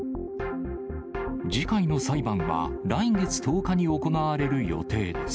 次回の裁判は、来月１０日に行われる予定です。